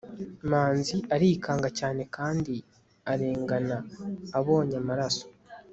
manzi arikanga cyane kandi arengana abonye amaraso